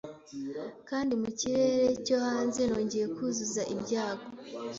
Kandi mu kirere cyo hanze nongeye kuzuza ibyago